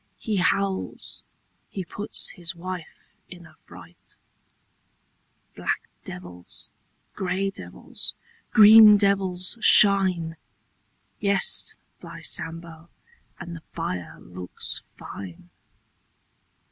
He howls. He puts his wife in a fright. Black devils, grey devils, green devils shine — Yes, by Sambo, And the fire looks fine!